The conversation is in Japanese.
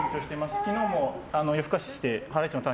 昨日も夜更かしして「ハライチのターン！」